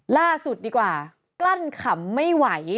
ล่าสุดดีกว่ากลั้นขำไม่ไหว